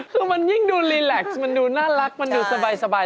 คือมันยิ่งดูรีแล็กซ์มันดูน่ารักมันดูสบาย